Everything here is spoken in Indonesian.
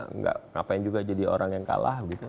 enggak ngapain juga jadi orang yang kalah gitu